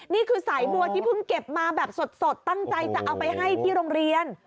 นี่คือสายบัวที่เพิ่งเก็บมาแบบสดตั้งใจจะเอาไปให้ที่โรงเรียน